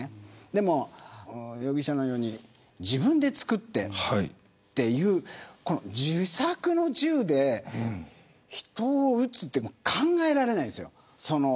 でも容疑者のように自分で作って自作の銃で人を撃つのは考えられないです